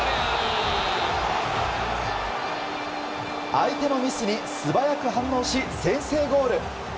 相手のミスに素早く反応し先制ゴール。